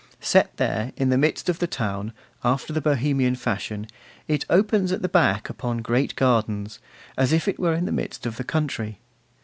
Set there in the midst of the town, after the Bohemian fashion, it opens at the back upon great gardens, as if it were in the midst of the country.